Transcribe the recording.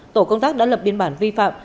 tổ công tác đã lập biên bản vi phạm